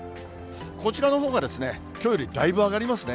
こちらのほうが、きょうよりだいぶ上がりますね。